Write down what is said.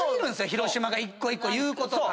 広島が一個一個言うことが。